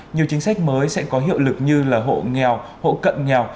nhiều chính sách mới sẽ có hiệu lực như là hộ nghèo hộ cận nghèo